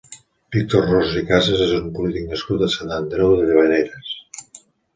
Víctor Ros i Casas és un polític nascut a Sant Andreu de Llavaneres.